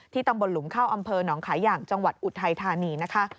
ตำบลหลุมเข้าอำเภอหนองขายอย่างจังหวัดอุทัยธานีนะคะ